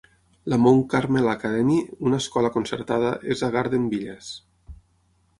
La Mount Carmel Academy, una escola concertada, és a Garden Villas.